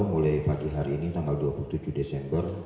mulai pagi hari ini tanggal dua puluh tujuh desember